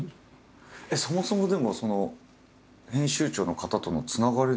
そもそもでもその編集長の方とのつながりっていうのは？